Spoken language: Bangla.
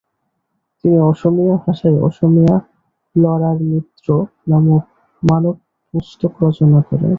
তিনি অসমীয়া ভাষায় অসমীয়া লরার মিত্র মানক পুস্তক রচনা করে।